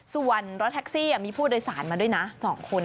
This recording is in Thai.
ส่วนรถแท็กซี่มีผู้โดยสารมาด้วยนะ๒คน